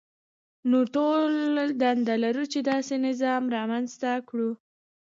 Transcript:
نو ټول دنده لرو چې داسې نظام رامنځته کړو.